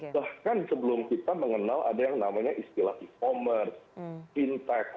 bahkan sebelum kita mengenal ada yang namanya istilah e commerce fintech